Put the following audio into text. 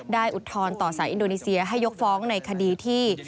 ได้อุดทอนต่อสายอินโดนีเซียให้ยกฟ้องในคดีที่